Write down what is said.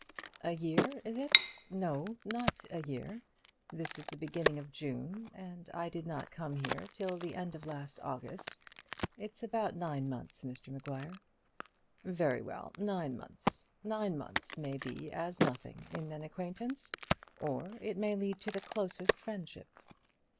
"A year, is it? No, not a year. This is the beginning of June, and I did not come here till the end of last August. It's about nine months, Mr Maguire." "Very well; nine months. Nine months may be as nothing in an acquaintance, or it may lead to the closest friendship."